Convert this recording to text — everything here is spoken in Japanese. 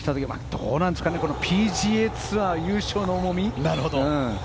どうなんですかねＰＧＡツアー優勝の重み。